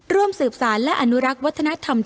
ร่วมสืบสารและอนุรักษ์วัฒนธรรม